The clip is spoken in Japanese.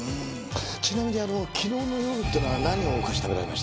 ちなみに昨日の夜っていうのは何のお菓子食べられました？